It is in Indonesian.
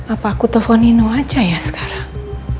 apa aku telpon nino aja ya sekarang